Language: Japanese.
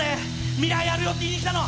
未来があるよって言いに来たの。